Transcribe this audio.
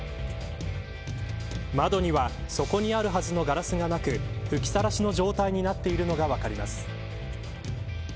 窓には、そこにあるはずのガラスがなく吹きさらしの状態になっているのが分かります。